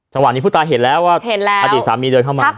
ส่วนนี้ผู้ตายเห็นแล้วว่าอดีตสามีเดินเข้ามา